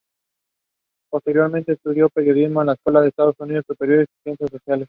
Posteriormente, estudió periodismo en la Escuela de Estudios Superiores en Ciencias Sociales.